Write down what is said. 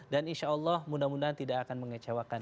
dan insya allah mudah mudahan tidak akan mengecewakan